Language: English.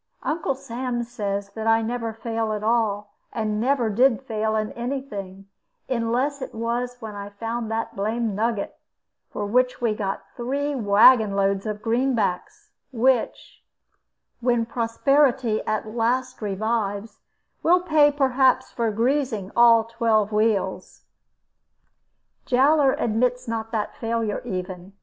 Uncle Sam says that I never fail at all, and never did fail in any thing, unless it was when I found that blamed nugget, for which we got three wagon loads of greenbacks; which (when prosperity at last revives) will pay perhaps for greasing all twelve wheels. Jowler admits not that failure even.